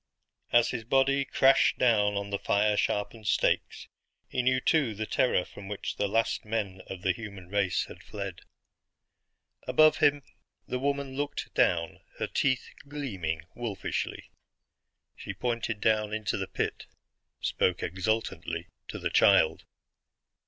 As his body crashed down on the fire sharpened stakes, he knew too the terror from which the last men of the human race had fled. Above him the woman looked down, her teeth gleaming wolfishly. She pointed down into the pit; spoke exultantly to the child.